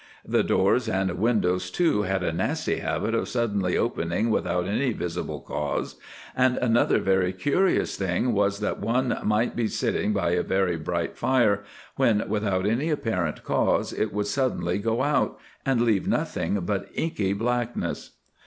The doors and windows, too, had a nasty habit of suddenly opening without any visible cause; and another very curious thing was that one might be sitting by a very bright fire when, without any apparent cause, it would suddenly go out, and leave nothing but inky blackness.